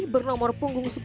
bernomor punggung sepuluh